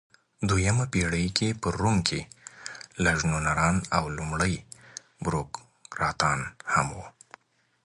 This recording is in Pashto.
دویمه پېړۍ کې په روم کې لژنونران او لومړۍ بوروکراتان هم وو.